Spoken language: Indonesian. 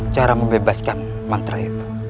cara membebaskan mantra itu